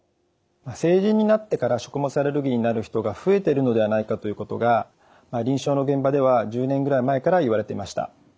成人になってから食物アレルギーになる人が増えているのではないかということが臨床の現場では１０年ぐらい前からいわれていました。